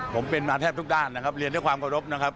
ผมเป็นมาแทบทุกด้านนะครับเรียนด้วยความเคารพนะครับ